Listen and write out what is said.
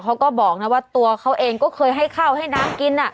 เขาก็บอกนะว่าตัวเขาเองก็เคยให้ข้าวให้น้ำกิน